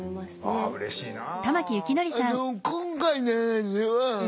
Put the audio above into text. ああうれしいなあ。